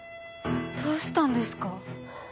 どうしたんですか？